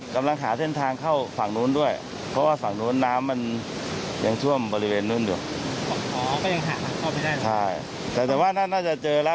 คุมกษัตริย์บ้างนะครับ